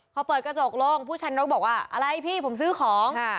พอเปิดกระจกลงผู้ชันนกบอกว่าอะไรพี่ผมซื้อของ